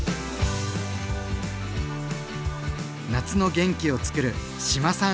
夏の元気をつくる志麻さん